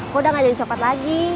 gue udah gak jadi copet lagi